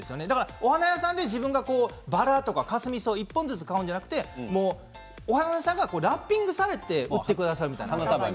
お花屋さんで自分がバラやカスミソウを１本ずつ買うのではなくてお花屋さんがラッピングして売ってくださるみたいな。